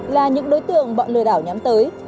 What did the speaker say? là những đối tượng bọn lừa đảo nhắm tới